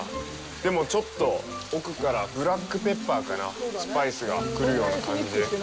でも、ちょっと奥からブラックペッパーかなスパイスが来るような感じ。